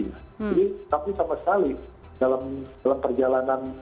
jadi kami sama sekali dalam perjalanan